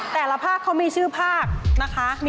แต่ละภาคเขามีชื่อภาคนะคะ